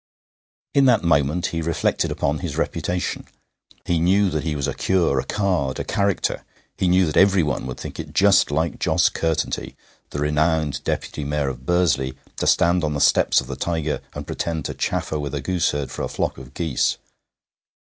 In that moment he reflected upon his reputation; he knew that he was a cure, a card, a character; he knew that everyone would think it just like Jos Curtenty, the renowned Deputy Mayor of Bursley, to stand on the steps of the Tiger and pretend to chaffer with a gooseherd for a flock of geese.